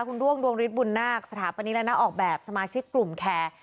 คุณดวงฤทธิ์บุญนาคสถาปนิตและนักออกแบบสมาชิกกลุ่มแคร์